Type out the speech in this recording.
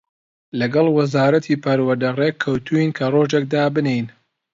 لەگەڵ وەزارەتی پەروەردە ڕێک کەوتووین کە ڕۆژێک دابنێین